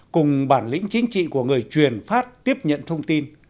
cùng bản lĩnh chính trị của người truyền phát tiếp nhận thông tin